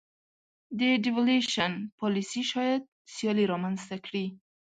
د devaluation پالیسي شاید سیالي رامنځته کړي.